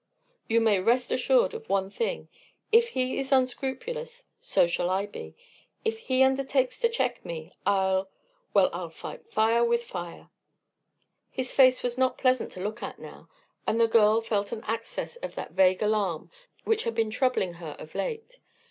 "You may rest assured of one thing: if he is unscrupulous, so shall I be. If he undertakes to check me, I'll well, I'll fight fire with fire." His face was not pleasant to look at now, and the girl felt an access of that vague alarm which had been troubling her of late.